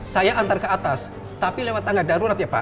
saya antar ke atas tapi lewat tangga darurat ya pak